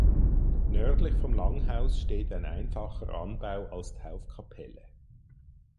Nördlich vom Langhaus steht ein einfacher Anbau als Taufkapelle.